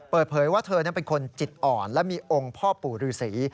เปิดเผยว่าเธอนั้นเป็นคนจิตอ่อนและมีองค์พ่อปู่ฤษี